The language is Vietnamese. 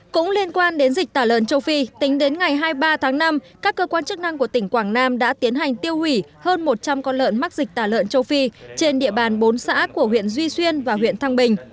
cũng liên quan đến dịch tả lợn châu phi tính đến ngày hai mươi ba tháng năm các cơ quan chức năng của tỉnh quảng nam đã tiến hành tiêu hủy hơn một trăm linh con lợn mắc dịch tả lợn châu phi trên địa bàn bốn xã của huyện duy xuyên và huyện thăng bình